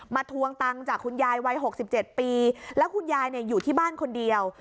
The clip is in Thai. ทวงตังค์จากคุณยายวัย๖๗ปีแล้วคุณยายอยู่ที่บ้านคนเดียว